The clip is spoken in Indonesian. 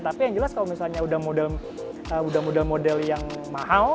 tapi yang jelas kalau misalnya udah model model yang mahal